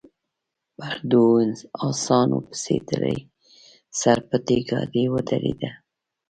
پر دوو اسانو پسې تړلې سر پټې ګاډۍ ودرېده.